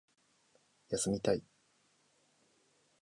休みたい